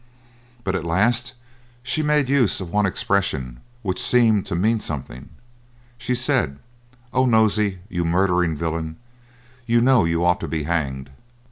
But at last she made use of one expression which seemed to mean something. She said, "Oh, Nosey, you murdering villain, you know you ought to be hanged."